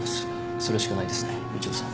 それしかないですねみちおさん。